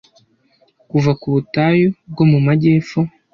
kuva ku butayu bwo mu majyepfo,